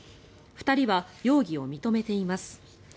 ２人は容疑を認めています。